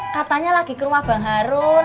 katanya lagi ke rumah bang harun